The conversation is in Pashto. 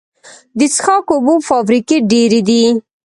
د څښاک اوبو فابریکې ډیرې دي